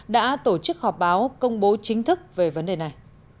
đã tổ chức họp báo công bố chính thức về vấn đề này